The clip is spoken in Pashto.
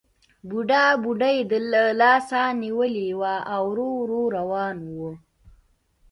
بوډا بوډۍ له لاسه نیولې وه او ورو ورو روان وو